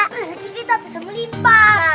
rezeki kita bisa melimpah